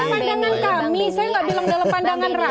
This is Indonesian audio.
pandangan kami saya nggak bilang dalam pandangan rakyat